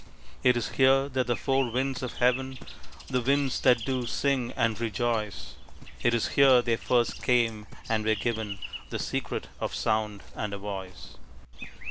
It is here that the four winds of heaven, The winds that do sing and rejoice, It is here they first came and were given The secret of sound and a voice.